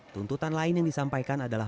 tuntutan lain yang disampaikan adalah